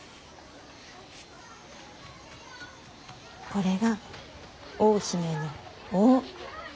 これが大姫の「大」。